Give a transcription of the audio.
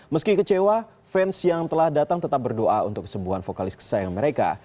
meski kecewa fans yang telah datang tetap berdoa untuk kesembuhan vokalis kesayangan mereka